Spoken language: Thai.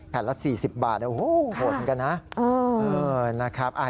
แผ่นละ๔๐บาทโหโหดกันนะ